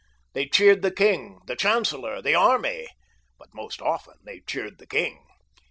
They cheered the king, the chancellor, the army; but most often they cheered the king.